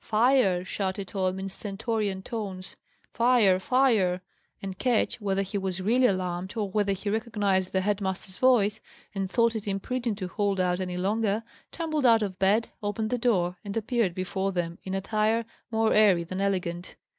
"Fire!" shouted Tom, in stentorian tones. "Fire! fire!" And Ketch, whether he was really alarmed, or whether he recognized the head master's voice, and thought it imprudent to hold out any longer, tumbled out of bed, opened the door, and appeared before them in attire more airy than elegant.